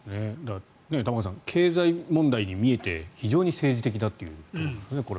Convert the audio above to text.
玉川さん経済問題に見えて非常に政治的だというところなんですね。